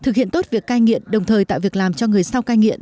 thực hiện tốt việc cai nghiện đồng thời tạo việc làm cho người sau cai nghiện